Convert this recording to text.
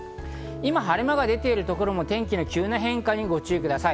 今、晴れ間が出ている所も天気は急な変化にご注意ください。